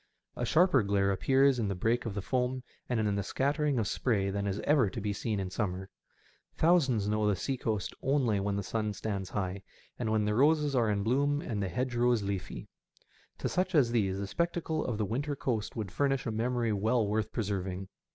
A sharper glare appears in the break of the foam and in the scattering of spray than is ever to be seen in summer. Thousands know the sea coast only when the sun stands high, and when the roses are in bloom and the hedgerows leafy. To such as these the spectacle of the winter coast would furnish a memory well worth preserving.